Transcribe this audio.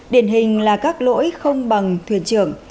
điển hình là các lỗi không bằng thuyền trưởng